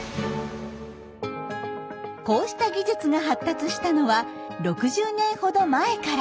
こうした技術が発達したのは６０年ほど前から。